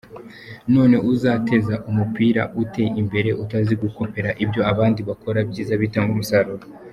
None uzateza umupira ute imbere utazi gukopera ibyo abandi bakora byiza bitanga umusaruro?